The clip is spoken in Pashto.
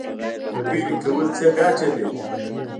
خبرې کول څه ګټه لري؟